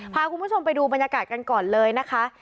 พาคุณผู้ชมไปดูบรรยากาศกันก่อนเลยนะคะ